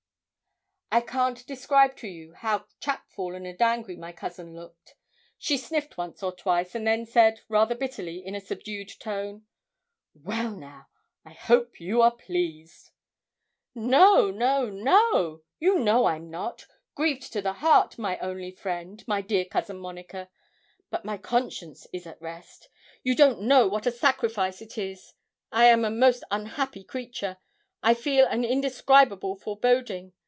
I can't describe to you how chapfallen and angry my cousin looked. She sniffed once or twice, and then said, rather bitterly, in a subdued tone: 'Well, now; I hope you are pleased?' 'No, no, no; you know I'm not grieved to the heart, my only friend, my dear Cousin Monica; but my conscience is at rest; you don't know what a sacrifice it is; I am a most unhappy creature. I feel an indescribable foreboding.